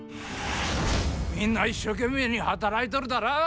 みんな一生懸命に働いとるだら？